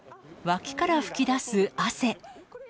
わきから噴き出す汗。